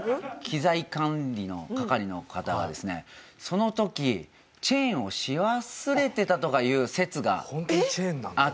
機材管理の係の方がですねその時チェーンをし忘れてたとかいう説があってですね